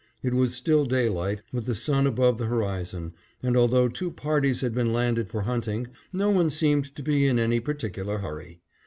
It was still daylight, with the sun above the horizon, and although two parties had been landed for hunting, no one seemed to be in any particular hurry.